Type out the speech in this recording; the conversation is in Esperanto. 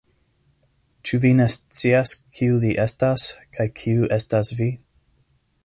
Ĉu vi ne scias, kiu li estas, kaj kiu estas vi?